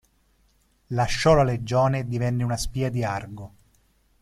Lasciò la Legione e divenne una spia di Argo.